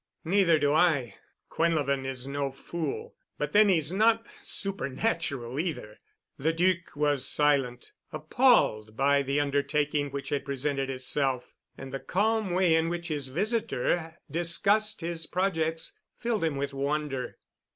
"Neither do I—Quinlevin is no fool, but then he's not super natural either." The Duc was silent, appalled by the undertaking which had presented itself. And the calm way in which his visitor discussed his projects filled him with wonder.